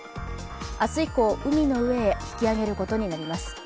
明日以降、海の上へ引き揚げることになります。